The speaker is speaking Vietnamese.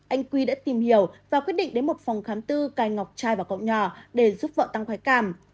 anh n v qui đã tìm hiểu và quyết định đến một phòng khám tư cài ngọc trai vào cậu nhỏ để giúp vợ tăng khói cảm